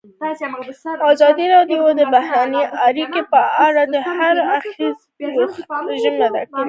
ازادي راډیو د بهرنۍ اړیکې په اړه د هر اړخیز پوښښ ژمنه کړې.